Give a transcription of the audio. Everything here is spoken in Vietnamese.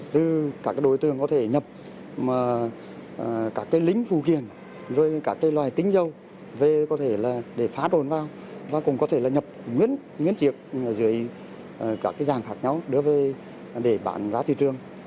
từ các đối tượng có thể nhập các lĩnh phù kiền rồi các loại tính dâu để phá đồn vào và cũng có thể nhập nguyên chiếc dưới các dạng khác nhau để bán ra thị trường